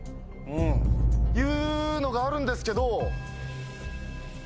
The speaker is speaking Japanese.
いうのがあるんですけど。